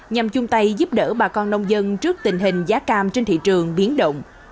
nhằm chung tay giúp đỡ bà con nông dân trước tình hình giá cam trên thị trường biến động